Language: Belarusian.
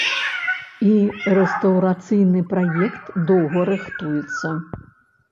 І рэстаўрацыйны праект доўга рыхтуецца.